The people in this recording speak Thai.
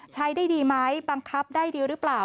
ใช้ได้ดีไหมบังคับได้ดีหรือเปล่า